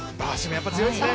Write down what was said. やっぱり強いですね。